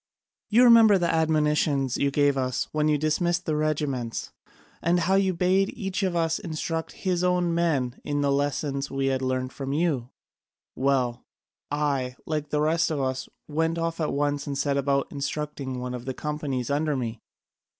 You remember the admonitions you gave us when you dismissed the regiments, and how you bade each of us instruct his own men in the lessons we had learnt from you. Well, I, like the rest of us, went off at once and set about instructing one of the companies under me.